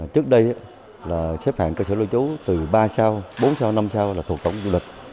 trước đây là xếp hạng cơ sở lưu trú từ ba sao bốn sao năm sau là thuộc tổng du lịch